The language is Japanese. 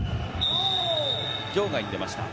場外に出ました。